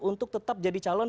untuk tetap jadi calon